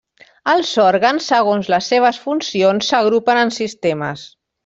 Els òrgans, segons les seves funcions, s'agrupen en sistemes.